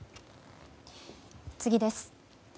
次です。